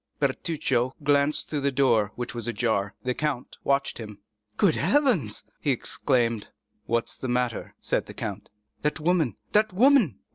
Bertuccio glanced through the door, which was ajar. The count watched him. "Good heavens!" he exclaimed. "What is the matter?" said the count. "That woman—that woman!"